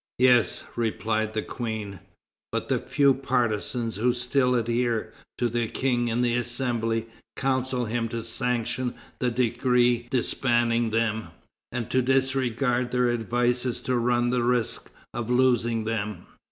"Yes," replied the Queen, "but the few partisans who still adhere to the King in the Assembly counsel him to sanction the decree disbanding them, and to disregard their advice is to run the risk of losing them."